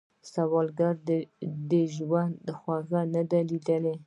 سوالګر د ژوند خواږه نه دي ليدلي